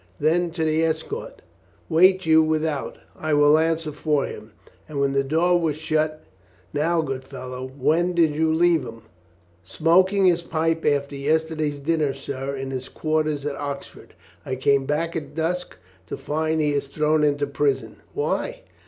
Then to the escort : "Wait you without. I will answer for him," and when the door was shut: "Now, good fellow, when did you leave him ?" "Smoking his pipe after yesterday's dinner, sir, in his quarters in Oxford. I came back at dusk to find he Is thrown into prison. Why?